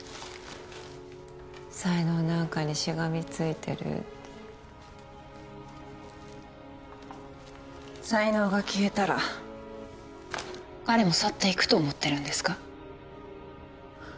才能なんかにしがみついてるって才能が消えたら彼も去っていくと思ってるんですか？